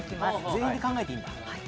・全員で考えていいんだはい